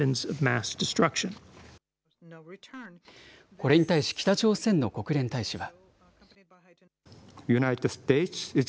これに対し北朝鮮の国連大使は。